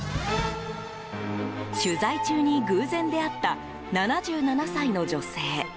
取材中に偶然出会った７７歳の女性。